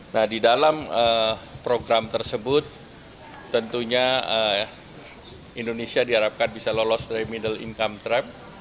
nah di dalam program tersebut tentunya indonesia diharapkan bisa lolos dari middle income trap